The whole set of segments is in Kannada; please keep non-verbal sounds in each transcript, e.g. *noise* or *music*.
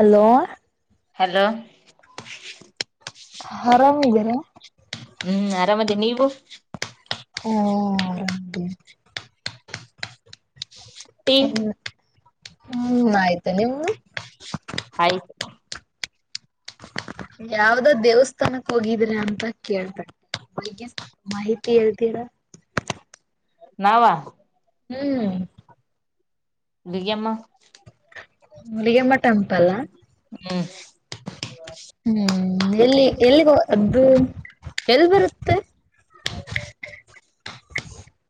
ಹಲೋ ಹಲೋ ಆರಾಮಿದ್ದೀರಾ? ಹು ಆರಾಮದೇ ನೀವು? ಹು ಆರಾಮಿದೇವಿ ಟಿ. ಹು ಹು ಆಯ್ತು ನೀಮ್ಮದು. ಆಯ್ತು. ಯಾವ್ದೋ ದೇವಸ್ಥಾನಕ್ಕೆ ಹೋಗಿದ್ರ ಅಂತ ಕೇಳ್ತಾರೆಗ *unintelligible* *unintelligible* ನಾವ ಹ್ಮ್ *unintelligible* *unintelligible* ಹ್ಮ್ *unintelligible* ಹ್ಮ್ ಎಲ್ಲಿ ಎಲ್ಲಿ ಎಲ್ಲಿ ಬರುತ್ತೆ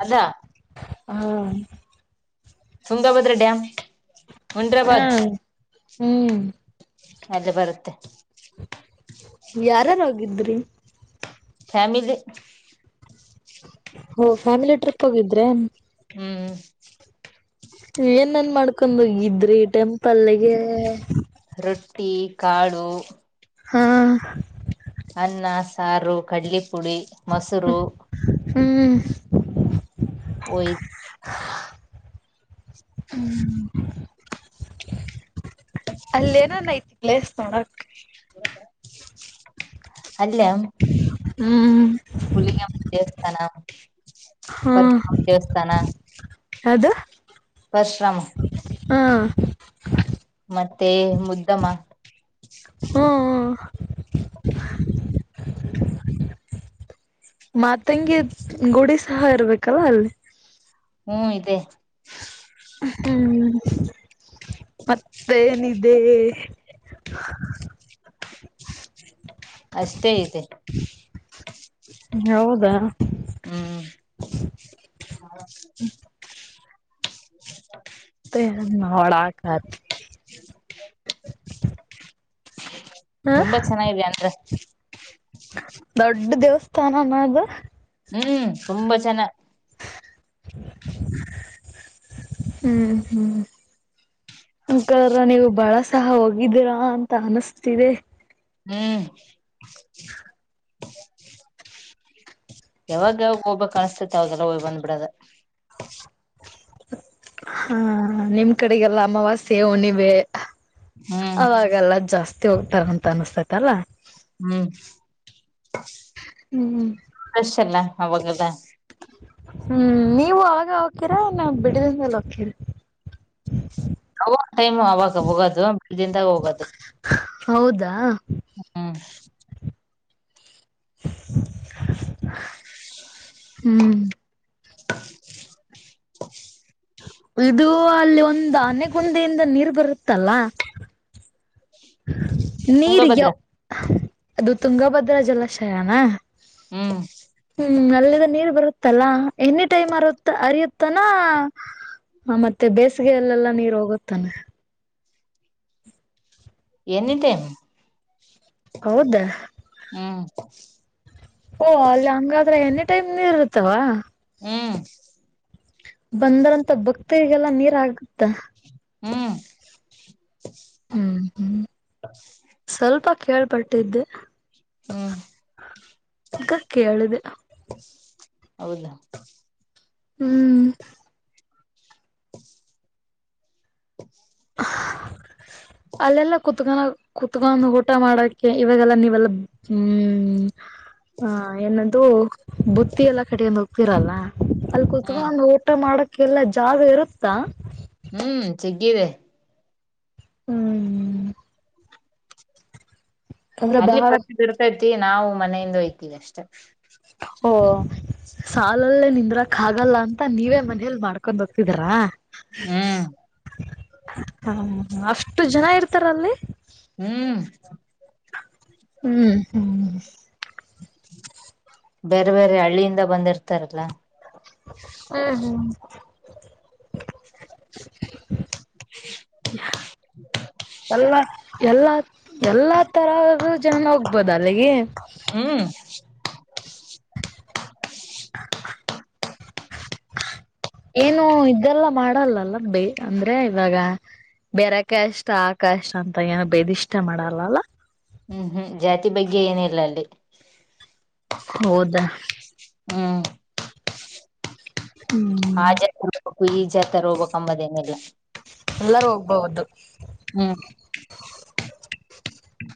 ಅದಾ ಹಾ ತುಂಗಭದ್ರ ಡ್ಯಾಮ್ ಹಾ ಮುಂಡ್ರಾಬಾದ್ ಹ್ಮ್ ಅಲ್ಲೇ ಬರುತ್ತೆ ಯಾರಾರ ಹೋಗಿದ್ರಿ ಫ್ಯಾಮಿಲಿ ಹೋ ಫ್ಯಾಮಿಲಿ ಟ್ರಿಪ್ ಹೋಗಿದ್ರಾ ಹ್ಮ್ ಏನೇನ್ ಮಾಡ್ಕೊಂಡ್ ಹೋಗಿದ್ರಿ ಟೆಂಪಲ್ ಗೆ ರೊಟ್ಟಿ ಕಾಳು ಹಾ ಅನ್ನ ಸಾರು ಕಡ್ಲಿ ಪುಡಿ ಹ್ಮ ಮೊಸರು ಹ್ಮ್ *inaudible* ಹ್ಮ್ ಅಲ್ಲೇ ಏನನ್ ಐತಿ ಪ್ಲೇಸ್ ನೋಡಕ *inaudible* ಅಲ್ಲೇ ಹ್ಮ್ *inaudible* ಪರಶುರಾಮ ದೇವಸ್ಥಾನ *inaudible* ಪಶ್ರಾಮ ಹಾ ಮತ್ತೆ ಮುದ್ದಮ್ಮ ಹ್ಮ್ ಹ್ಮ ಮಾತಂಗಿ ಗುಡಿ ಸಹ ಇರ್ಬೇಕಲ್ಲ ಅಲ್ಲಿ ಹ್ಮ್ ಇದೆ ಹ್ಮ್ ಮತ್ತೇನಿದೆ ಅಷ್ಟೇ ಐತೆ ಹೌದಾ ಹ್ಮ್ *unintelligible* *inaudible* *unintelligible* ಹ್ಮ ಹ ತುಂಬಾ ಚೆನ್ನಾಗಿ ಅಂದ್ರೆ ದೊಡ್ಡ ದೇವಸ್ಥಾನನದು ಹ್ಮ್ ತುಂಬಾ *unintelligible* ಹ್ಮ್ ಹ್ಮ್ ಊಂಕ್ಕ ನೀವು ಬಹಳ ಸಹ ಹೋಗಿದೀರಾ ಅಂತ ಅನುಸ್ತಿದೆ. ಹ್ಮ್ ಯಾವಾಗ್ ಯಾವಾಗ್ ಹೋಬೇಕಸ್ತತೆ ಅವಾಗೆಲ್ಲ ಹೋಯ್ ಬಂದ್ಬಿಡದೆ. ಹಾಂ ನಿಮ್ ಕಡೆಗೆಲ್ಲ ಅಮಾವಾಸ್ಯೆ ಹುಣ್ಣಿಮೆ ಹ್ಮ್ ಅವಾಗೆಲ್ಲ ಜಾಸ್ತಿ ಹೋಗ್ತಾರಂತ ಅನಿಸ್ತೈತಲ್ಲ ಹ್ಮ್ ಹ್ಮ್ ಅಷ್ಟೆಲ್ಲಾ ಅವಾಗದ. ಹ್ಮ್ ನೀವು ಅವಾಗ ಹೋಕಿರ ನಾ ಬಿಡುವಿನ್ ಮೇಲ್ ಹೋಕಿರ? ಅವ ಟೈಮ್ ಅವಾಗ ಹೋಗದು ಬಿಡುದಿನ್ದಾಗ್ ಹೋಗದು. ಹೌದಾ ಹ್ಮ್ ಹ್ಮ್ *inaudible* ಇದು ಅಲ್ಲಿ ಒಂದ್ ಆನೆ ಗೊಂದಿಯಿಂದ ನೀರ್ ಬರುತ್ತಲ್ಲ ನೀರಿಗ್ಯೊ ತುಂಗಭದ್ರ ಅದು ತುಂಗಭದ್ರಾ ಜಲಾಶಯನಾ? ಹ್ಮ್ ಹ್ಮ್ ಅಲ್ಲಿದ ನೀರು ಬರುತ್ ತ್ತಲ್ಲಾ ಎನಿ ಟೈಮ್ ಅರುತ್ ಅರಿಯುತ್ತನಾ? ಹಾಂ ಮತ್ತೆ ಬೇಸಿಗೆಯಲ್ಲೆಲ್ಲಾ ನೀರ್ ಹೋಗುತಾನೆ? Any time. ಹೌದಾ? ಹ್ಮ್ ಓ ಅಲ್ ಹಂಗಾದ್ರೆ ಎನಿ ಟೈಮ್ ನೀರ್ ಇರುತ್ತಾವ? ಹ್ಮ್ ಬಂದರಂತ ಭಕ್ತರಿಗೆಲ್ಲಾ ನೀರ್ ಆಗುತ್ತ? ಹ್ಮ್ ಹ್ಮ್ ಹ್ಮ್ ಸ್ವಲ್ಪ ಕೇಳ್ಪಟ್ಟಿದ್ದೆ. ಹ್ಮ್ ಈಗ ಕೇಳಿದೆ. ಹೌದಾ? ಹ್ಮ್ ಹ್ಮ್ *inaudible* ಅಲ್ಲೆಲ್ಲ ಕೂತ್ಕಣವ್ ಕುತ್ಕೊಂಡ್ ಊಟ ಮಾಡಕೆ ಇವಾಗೆಲ್ಲಾ ನೀವೆಲ್ಲ ಹ್ಮ್ ಹಾಂ ಏನದು ಬುತ್ತಿ ಎಲ್ಲಾ ಕಟಿಕ್ಯಂಡ್ ಹೋಗ್ತಿರಲ್ಲ ಅಲ್ ಹ್ಮ್ ಕುತ್ಕೊಂಡ್ ಊಟ ಮಾಡಕ್ಕೆಲ್ಲ ಜಾಗ ಇರುತ್ತಾ? ಹ್ಮ್ ಚಗ್ಗಿದೆ. ಹ್ಮ್ ಅಂದ್ರೆ ಅಲ್ಲಿ ಬಹಳ ಪ್ರತಿ ದೊರುಕೈತಿ ನಾವು ಮನೆಯಿಂದ ಹೊಯ್ತೀವ್ ಅಷ್ಟೇ. ಓ ಸಾಲಲ್ಲೇ ನಿಂದ್ರಕ್ ಆಗಲ್ಲ ಅಂತ ನೀವೇ ಮನೇಲಿ ಮಾಡ್ಕೊಂಡ್ ಹೋಗ್ತಿದರಾ? ಹ್ಮ್ ಹಾಂ ಅಷ್ಟು ಜನ ಇರ್ತಾರಲ್ಲಿ. ಹ್ಮ್ ಹ್ಮ್ ಹ್ಮ್ ಬೇರೆ ಬೇರೆ ಹಳ್ಳಿಯಿಂದ ಬಂದಿರ್ತಾರಲ್ಲ ಹ್ಮ್ ಹ್ಮ್ ಅಲ್ಲ ಎಲ್ಲ ಎಲ್ಲಾ ತರದ ಜನ ಹೋಗ್ಬೋದ ಅಲ್ಲಿಗೆ ಹ್ಮ್ *inaudible* ಏನು ಇದೆಲ್ಲ ಮಾಡಲ್ಲಲ್ಲ ಬೇ ಅಂದ್ರೆ ಇವಾಗ ಬೇರೆಕಷ್ಟ ಆ ಕಷ್ ಅಂತ ಏನ ಬೇದಿಷ್ಟ ಮಾಡಲ್ಲಲ್ಲ ಹ್ಮ್ ಹ್ಮ್ ಜಾತಿ ಬಗ್ಗೆ ಏನಿಲ್ಲ ಅಲ್ಲಿ ಹೌದಾ ಹ್ಮ್ ಹಾ ಹ್ಮ್ ಜಾತರ್ ಹೋಗ್ಬೇಕ್ ಇ ಜಾತೆರ್ ಹೋಗ್ಬೇಕು ಅಂಬಾದ್ ಏನ್ ಇಲ್ಲ ಎಲ್ಲರೂ ಹೋಗ್ಬಹುದು ಹ್ಮ್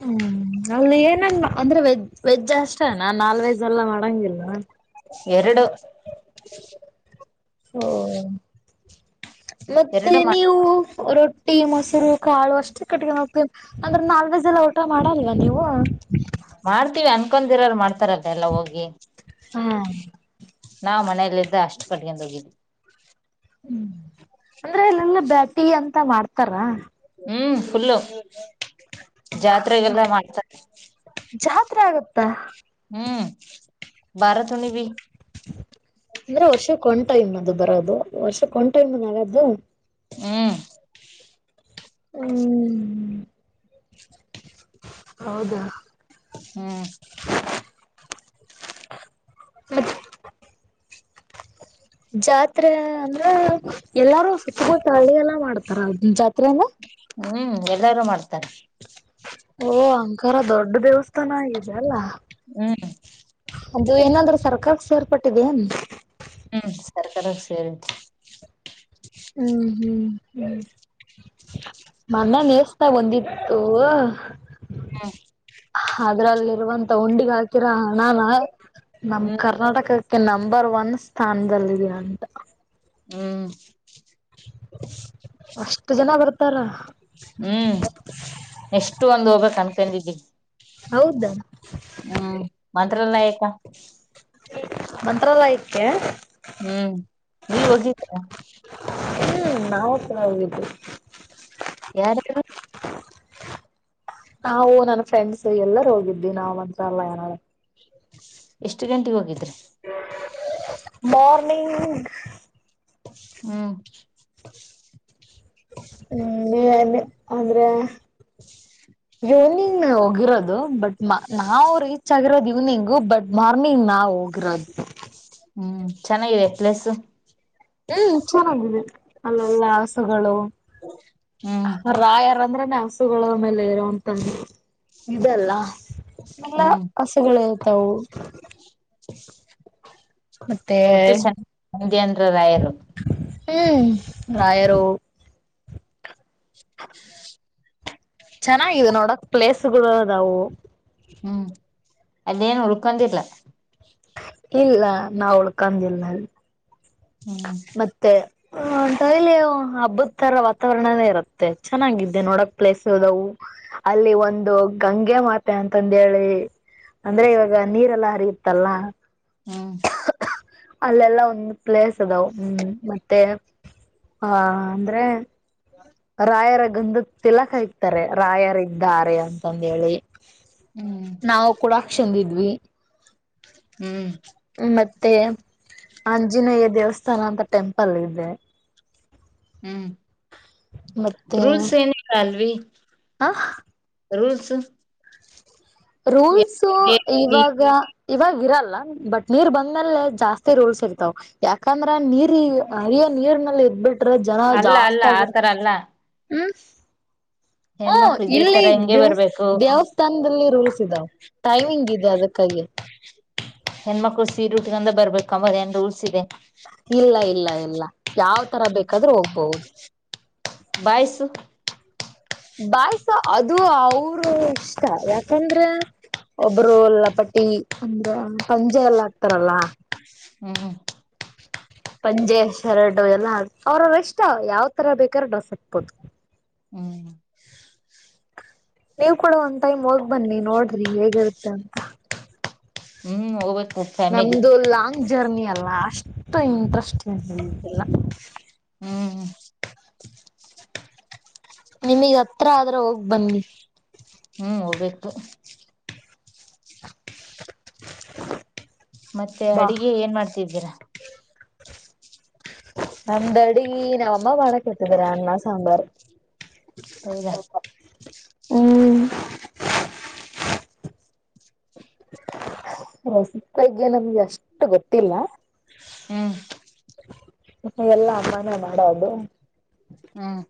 ಹ್ಮ ಅಲ್ಲಿ ಏನನ್ ಅಂದ್ರೆ ವೆಜ್ ವೆಜ್ ಅಷ್ಟೇನಾ ನಾನ್ ವೆಜ್ ಎಲ್ಲಾ ಮಾಡಂಗಿಲ್ಲ ಎರಡು ಹೊ ಮತ್ತೆ ಎರಡು ಮಾಡ ನೀವು ರೊಟ್ಟಿ ಮೊಸರು ಕಾಳು ಅಷ್ಟು *unintelligible* ಕಟ್ಟಕತ ಅಂದ್ರ ನಾಲ್ವೇ ಜಲ ಊಟ ಮಾಡಲ್ವಾ ನೀವು ಮಾಡ್ತೀವಿ ಅನ್ಕೊಂಡಿರೋರು ಮಾಡ್ತಾರಲ್ಲ ಎಲ್ಲ ಹೋಗಿ ಹಾ ನಾವ್ ಮನೆಲಿಂದ ಅಷ್ಟ್ ಕಟ್ಕೊಂಡ್ ಹೋಗಿದ್ ಹ್ಮ್ ಅಂದ್ರೆ *unintelligible* ಎಲ್ಲಂದ ಬ್ಯಾಟಿ ಅಂತ ಮಾಡ್ತಾರ ಹ್ಮ್ ಫುಲ್ಲು ಜ ತ್ರೆ ಗೆಲ್ಲ ಮಾಡ್ತಾರೆ ಜಾತ್ರೆ ಆಗತ್ತಾ ಹ್ಮ್ ಬಾರತ್ ಹುಣಬಿ ಅಂದ್ರೆ ವರ್ಷಕ್ಕೆ ಒಂದ್ ಟೈಮ್ ಅದು ಬರೋದು ವರ್ಷಕ್ಕೆ ಒಂದ್ ಟೈಮ್ ಅ ಆಗೋದು ಹ್ಮ್ ಹ್ಮ್ ಹೌದಾ ಹ್ಮ್ ಹೌದು *inaudible* ಜಾತ್ರೆ ಅಂದ್ರೆ ಎಲ್ಲಾರೂ ಸುತ್ತಮುತ್ತ ಹಳ್ಳಿ ಎಲ್ಲ ಮಾಡ್ತಾರ ಜಾತ್ರೆಯನ ಹ್ಮ್ ಎಲ್ಲಾರೂ ಮಾಡ್ತಾರೆ ಓ ಅಂಕಾರ ದೊಡ್ ದೇವಸ್ಥಾನ ಆಗಿದೆ ಅಲ್ಲ ಹ್ಮ್ ಅದು ಏನಾದ್ರೂ ಸರ್ಕಾರಾಕ್ ಸೇರ್ಪಟ್ಟಿದೆ ಎನ್ ಹ್ಮ್ ಸರ್ಕಾರಾಕ್ ಸೇರಿದೆ ಹ್ಮ್ ಹ್ಮ್ ಹ್ಮ್ ಮನ್ನ ನೆಸ್ತಾ ಒಂದಿತ್ತು ಹಾ ಅದ್ರಲ್ಲಿರುವಂತ ಉಂಡಿಗ್ ಹಾಕಿರ ಹಣನ ನಮ್ ಹ್ಮ್ ಕರ್ನಾಟಕ ಕೆ ನಂಬರ್ ಒನ್ ಸ್ಥಾನದಲ್ಲಿದೆ ಅಂತ ಹ್ಮ್ ಅಷ್ಟು ಜನ ಬರ್ತಾರ ಹ್ಮ್ ನೆಷ್ಟು ಒಂದು ಹೋಗ್ಬೇಕ್ ಅನ್ಕೊಂಡಿದ್ದೀವಿ ಹೌದಾ ಹ್ಮ ಮಂತ್ರಾಲಯಕ ಮಂತ್ರಾಲಯಕ್ಕೆ ಹ್ಮ ನೀವ ಹೋಗಿದ್ರ ಹ್ಮ ನಾವು ಕೂಡ ಹೋಗಿದ್ವಿ. ಯಾರಾರು ನಾವು ನನ್ ಫ್ರೆಂಡ್ಸ್ ಎಲ್ಲರ ಹೋಗಿದ್ದಿವಿ ನಾವ್ ಅಂತ್ರ ಅಲ್ಲ ಏನಾದ ಎಷ್ಟ ಗಂಟೆಗ ಹೋಗಿದ್ರ. ಮಾರ್ನಿಂಗ್ ಹ್ಮ ಹ್ಮ ಏನೇ ಅಂದ್ರೆ ಇವ್ನಿಂಗ್ ಹೋಗಿರೋದು ಬಟ್ ನಾವು ರೀಚ್ ಆಗಿರೋದು ಇವ್ನಿಂಗು ಬಟ್ ಮಾರ್ನಿಂಗ್ ನಾವ ಹೋಗಿರೋದ. ಹ್ಮ ಚೆನ್ನಾಗಿದೆ ಪ್ಲೇಸ್. ಹ್ಮ ಚನ್ನಾಗಿದೆ ಅಲ್ಲೆಲ್ಲ ಹಸುಗಳು ಹ್ಮ್ ರಾಯಾರ ಅಂದ್ರನೆ ಹಸುಗಳ ಮೇಲೆ ಇರುವೋಂತ ಇದೆಲ್ಲ ಎಲ್ಲ ಹ್ಮ್ ಹಸುಗಳ ಇರ್ತವು. ಮತ್ತೆ ಟ್ಟು ಸಂಡೆ ಅಂದ್ರು ರಾಯರು ಹ್ಮ ರಾಯರು *inaudible* ಚೆನ್ನಾಗಿದೆ ನೋಡಕ್ ಪ್ಲೇಸ್ ಗಳು ಅದವು. ಹ್ಮ ಅದೇನ ಉಳ್ಕೊಂಡ ಇಲ್ಲ. ಇಲ್ಲ ನಾ ಉಳ್ಕಂದಿಲ್ಲ ಹ್ಮ ಮತ್ತೆ ಹಾ ಡೈಲಿ ಹಬ್ಬದ ತರ ವಾತಾವರಣನೇ ಇರುತ್ತೆ ಚೆನ್ನಾಗಿದ್ದೆ ನೋಡಕ್ ಪ್ಲೇಸ್ ಇದವು. ಅಲ್ಲಿ ಒಂದು ಗಂಗೆ ಮಾತೆ ಅಂತಂದ ಹೇಳಿ ಅಂದ್ರೆ ಇವಾಗ ನೀರೆಲ್ಲಾ ಹರಿಯುತ್ತಲ್ಲ. ಹ್ಮ ಅಲ್ಲೆಲ್ಲ ಒಂದ ಪ್ಲೇಸ್ ಅದಾವ ಹ್ಮ ಮತ್ತೆ ಹಾ ಅಂದ್ರೆ *inaudible* ರಾಯರ ಗಂದದ ತಿಲಕ ಇಕ್ತಾರೆ ರಾಯರ ಇದ್ದಾರೆ ಅಂತಂದ ಹೇಳಿ ಹ್ಮ ಬಂದಿದ್ವಿ ಹ್ಮ ಮತ್ತೆ ಆಂಜನೇಯ ದೇವಸ್ಥಾನ ಅಂತ ಟೆಂಪಲ್ ಇದೆ. ಹ್ಮ ಮತ್ತೆ ರೂಲ್ಸ್ ಏನಿಲ್ಲಾ ಅಲ್ವಿ ಹ ರೂಲ್ಸ್ ರೂಲ್ಸು ಇವಾಗ ಇವಾಗ ಇರಲ್ಲ ಬಟ್ ನೀರ್ ಬಂದ ಮೇಲೆ ಜಾಸ್ತಿ ರೂಲ್ಸ್ ಇರ್ತಾವ. ಯಾಕಂದ್ರ ನೀರ್ ಅರಿಯ ನೀರ್ನಲ್ಲಿ ಇದಬಿಟ್ರ ಜನ ಅಲ್ಲ ಅಲ್ಲ ಜಾಸ್ತಿ ಆಗಿರ್ ಆತರ ಅಲ್ಲ ಹ್ಮ ಹಾ ಹೆಣ್ಮಕ್ಳು ಇದೇ ಇಲ್ಲಿ ತರ ಹಿಂಗೆ ದೇವ ಬರ್ಬೇಕು ದೇವಸ್ಥಾನದಲ್ಲಿ ರೋಲ್ಸಿದಾವ ಟೈಮಿಂಗ್ ಇದೆ ಅದಕ್ಕಾಗಿ ಹೆಣ್ಮಕ್ಳು ಸೀರೆ ಉಟ್ಟಗಂದ ಬರ್ಬೇಕ ಅನ್ನೋದ ರೂಲ್ಸ್ ಇದೆ. ಇಲ್ಲ ಇಲ್ಲ ಇಲ್ಲ ಯಾವ ತರ ಬೇಕಾದ್ರೂ ಹೋಗ್ಬಹುದು ಬಾಯ್ಸ್. ಬಾಯ್ಸ ಅದು ಅವರು ಇಷ್ಟ ಯಾಕಂದ್ರೆ. ಒಬ್ರು ಲಪಟಿ ಅಂದ್ರೆ ಪಂಜೆ ಎಲ್ಲ ಆಕ್ತಾರಲ್ಲ. ಹಮ. ಪಂಜೆ ಶರಟು ಎಲ್ಲಾ ಹಾಕ್ ಅವ್ರ ಇಷ್ಟ ಯಾವ್ ತರ ಬೇಕಾದಾರ ಡ್ರೆಸ್ ಹಾಕ್ಬೋದು. ಹ್ಮ್. ನೀವ್ ಕೂಡ ಒಂದ್ ಟೈಮ್ ಹೋಗ್ ಬನ್ನಿ ನೋಡ್ರಿ ಹೇಗಿರುತ್ತೆ ಅಂತ. ಹ್ಮ್ ಹೋಗತ್ತೆ. ನಮ್ದು ಲಾಂಗ್ ಜರ್ನಿ ಅಲ್ಲ ಅಷ್ಟು ಇಂಟ್ರಸ್ಟಿಂಗ್ *unintelligible* ಹ್ಮ್. ನಿಮಗ ಹತ್ರ ಆದ್ರ ಹೋಗ್ ಬನ್ನಿ. ಹ್ಮ್ ಹೋಗ್ಬೇಕು. *inaudible* ಮತ್ತೆ ಬಾ ಅಡಗೆ ಏನ್ ಮಾಡ್ತಿದ್ದೀರಾ. *inaudible* ನಮ್ದ ಅಡಿಗಿ ನಮ್ಮ ಅಮ್ಮ ಮಾಡಕ್ ಇತಿದಾರ ಅನ್ನ ಸಾಂಬಾರ. ಹೌದಾ. ಹ್ಮ್. ರಸಿಪೈಗೆ ನಮ್ಗೆ ಅಷ್ಟು ಗೊತ್ತಿಲ್ಲ. ಹ್ಮ್ ವಟ್ಟ ಎಲ್ಲ ಅಮ್ಮಾನೇ ಮಾಡೋದು. ಹ್ಮ್.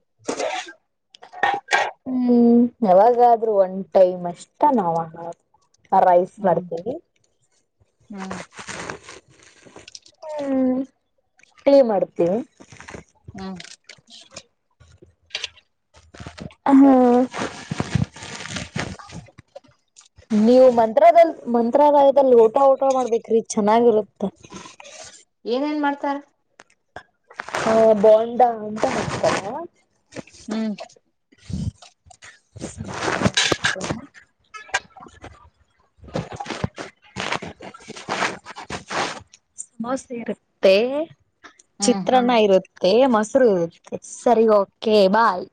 ಹ್ಮ್ ಯಾವಾಗಾದ್ರೂ ಒನ್ ಟೈಮ್ ಅಷ್ಟ ನಾವ. ಹ ರೈಸ್ ಹ್ಮ್ ಮಾಡ್ತೀವಿ. ಹ್ಮ್ ಹ್ಮ ಟೀ ಮಾಡ್ತೀವಿ. ಹ್ಮ್ ಹ. ನೀವು ಮಂತ್ರಲಯದ ಮಂತ್ರಾಲಯದಲ್ಲಿ ಊಟ ಊಟ ಮಾಡ್ಬೇಕ್ರಿ ಚೆನ್ನಾಗಿರುತ್ತ. ಏನೆನ್ ಮಾಡ್ತಾರ. ಹ ಬೋಂಡಾ ಅಂತ ಹೇಳ್ತರ. ಹ್ಮ್. ಸಮೋಸ ಇರುತ್ತೆ ಹ್ಮ್ ಚಿತ್ರನ್ನ ಇರು ತ್ತೆ ಮೊಸರು ಇರತ್ತೆ ಸರಿ ಓಕೆ ಬಾಯ್.